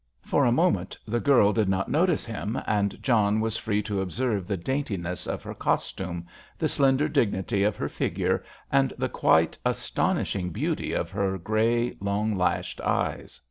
For a moment the girl did not notice him, and John was free to observe the daintiness of her costume, the slender dignity of her figure, and the quite astonishing beauty of her grey, long lashed eyes.